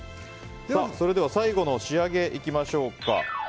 最後の仕上げいきましょうか。